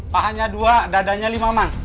pahanya dua dadanya lima mak